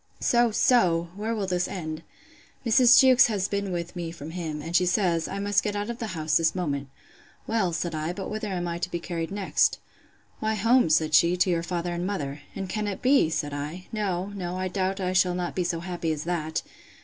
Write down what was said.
So, so! where will this end?—Mrs. Jewkes has been with me from him, and she says, I must get out of the house this moment. Well, said I, but whither am I to be carried next? Why, home, said she, to your father and mother. And can it be? said I; No, no, I doubt I shall not be so happy as that!